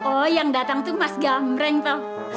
oh yang datang tuh mas gambreng tau